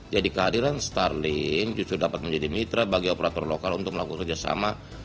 jadi kehadiran starlink justru dapat menjadi mitra bagi operator lokal untuk melakukan kerjasama